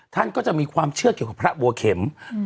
ท่านก็จะมีความเชื่อเกี่ยวกับพระบัวเข็ม